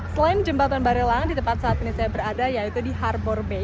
selain jembatan barelang di tempat saat ini saya berada yaitu di harbor b